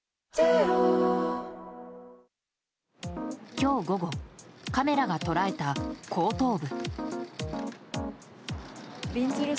今日午後カメラが捉えた後頭部。